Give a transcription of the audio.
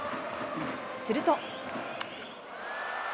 すると。